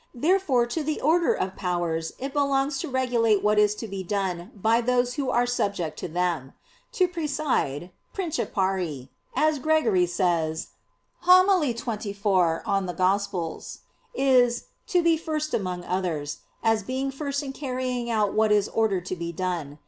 Therefore, to the order of "Powers" it belongs to regulate what is to be done by those who are subject to them. To preside [principari] as Gregory says (Hom. xxiv in Ev.) is "to be first among others," as being first in carrying out what is ordered to be done.